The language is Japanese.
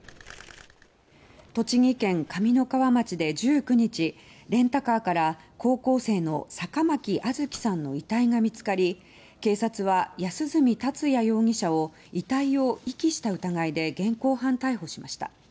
栃木県上三川町で１９日レンタカーから、高校生の坂巻杏月さんの遺体が見つかり警察は安栖達也容疑者を遺体を遺棄した疑いで現行犯逮捕しました。